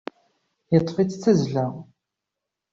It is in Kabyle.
Yeṭṭef-itt d tazzla.